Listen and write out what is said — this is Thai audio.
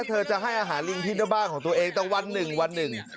เธอจะให้อาหารลิงที่บ้านของตัวเองตั้งวันหนึ่ง